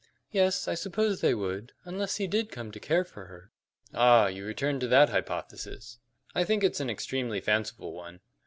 "Yes, I suppose they would, unless he did come to care for her." "Ah, you return to that hypothesis. I think it's an extremely fanciful one.